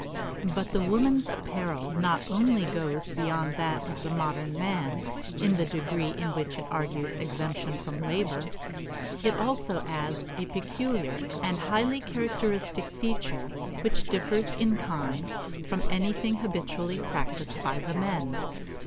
But the woman's apparel not only goes beyond that of the modern man in the degree in which it argues exemption from labor; it also adds a peculiar and highly characteristic feature which differs in kind from anything habitually practiced by the men.